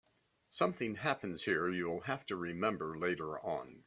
Something happens here you'll have to remember later on.